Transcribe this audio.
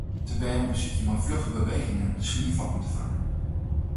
De bern besykje mei flugge bewegingen de snieflokken te fangen.